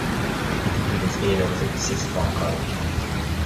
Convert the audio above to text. He completed his A-Levels at the Sixth Form College.